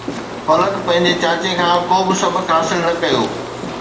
فلڪ پنهنجي چاچي کان ڪو به سبق حاصل نه ڪيو